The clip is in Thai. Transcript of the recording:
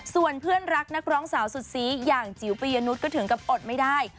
ส่วนเพื่อนรักนักร้องสาวสุดซีอย่างจิ๋วปียนุษย์ก็ถึงกับอดไม่ได้